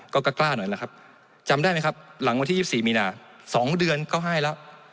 ก็กล้าหน่อยล่ะครับจำได้ไหมครับหลังวันที่๒๔มีนา๒เดือนก็ให้แล้ว